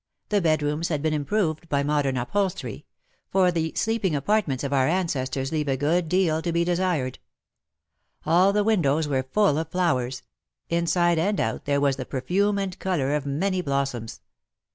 The bedrooms had been improved by modern upholstery ; for the sleeping apartments of our ancestors leave a good deal to be desired All the windows were full of flowers — inside and out there was the perfume and colour of many blossoms.